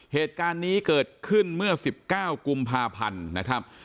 เหตุการณ์นี้เกิดขึ้นเมื่อ๑๙กุมภาพันธ์นะครับ